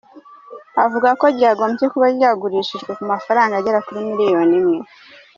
Avuga ko ryagombye kuba ryagurishijwe ku mafaranga agera kuri miliyari imwe.